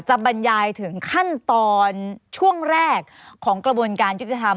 บรรยายถึงขั้นตอนช่วงแรกของกระบวนการยุติธรรม